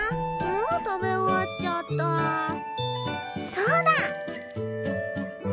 そうだ！